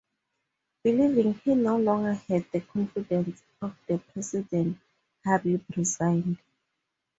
Believing he no longer had the confidence of the president, Habib resigned.